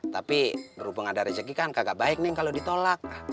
tapi berhubung ada rezeki kan kagak baik nih kalau ditolak